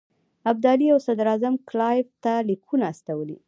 ابدالي او صدراعظم کلایف ته لیکونه استولي.